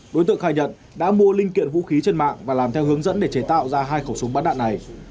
đối tượng khai nhận đã mua linh kiện vũ khí trên mạng và làm theo hướng dẫn để chế tạo ra hai khẩu súng bắn đạn này